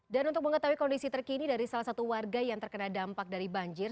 dan untuk mengetahui kondisi terkini dari salah satu warga yang terkena dampak dari banjir